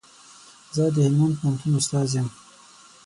زه د هلمند پوهنتون استاد يم